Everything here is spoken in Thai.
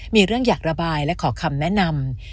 มีเรื่องอยากระบายและขอคำแนะนำ